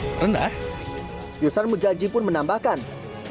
kemudian mereka sudah bisa memiliki kemampuan untuk mendapatkan pendidikan lebih lanjut